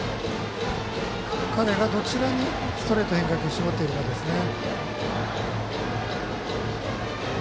彼がどちらにストレート変化球絞っているかですね。